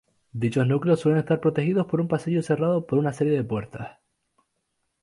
Dichos núcleos suelen estar protegidos por un pasillo cerrado por una serie de puertas.